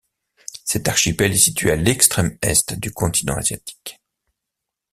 Cet archipel est situé à l'Extrême-Est du continent asiatique.